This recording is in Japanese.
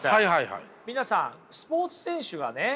皆さんスポーツ選手がね